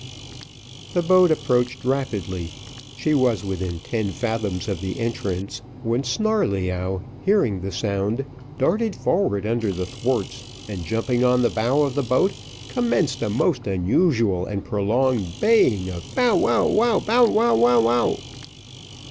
The boat approached rapidly she was within ten fathoms of the entrance, when Snarleyyow, hearing the sound, darted forward under the thwarts, and jumping on the bow of the boat, commenced a most unusual and prolonged baying of Bow wow, bow wow wow wow!